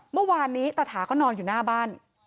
เมื่อวานนี้ตาถาก็นอนอยู่หน้าบ้าน